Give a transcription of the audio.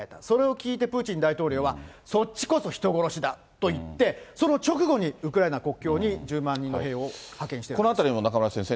それを聞いて、プーチン大統領は、そっちこそ人殺しだと言って、その直後にウクライナ国境に１０万人の兵を派遣してるんです。